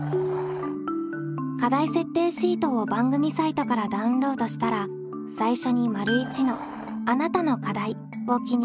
課題設定シートを番組サイトからダウンロードしたら最初に①の「あなたの課題」を記入します。